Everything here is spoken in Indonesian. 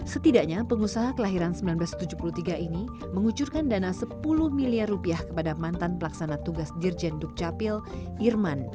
setidaknya pengusaha kelahiran seribu sembilan ratus tujuh puluh tiga ini mengucurkan dana sepuluh miliar rupiah kepada mantan pelaksana tugas dirjen dukcapil irman